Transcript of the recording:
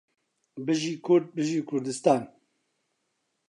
بژی کورد بژی کوردستان